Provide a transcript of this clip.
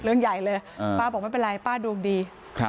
เรื่องใหญ่เลยป้าบอกไม่เป็นไรป้าดวงดี